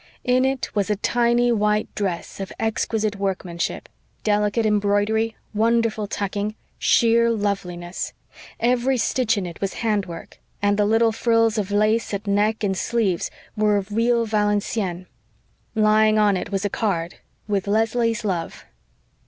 In it was a tiny white dress of exquisite workmanship delicate embroidery, wonderful tucking, sheer loveliness. Every stitch in it was handwork; and the little frills of lace at neck and sleeves were of real Valenciennes. Lying on it was a card "with Leslie's love."